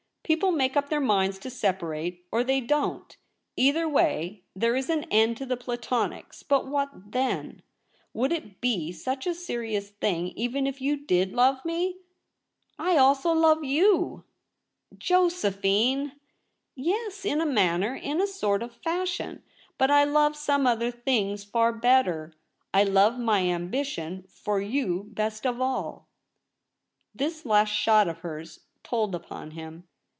People make up their minds to separate — or — they don't. Either way, there is an end to the Platonics. But what then ? Would it be such a serious thing even if you did love me ? I also — love you !'* Josephine !'* Yes, in a manner — in a sort of fashion. But I love some other things far better. I love my ambition for you best of all.' This last shot of hers told upon him.